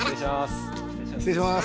失礼します。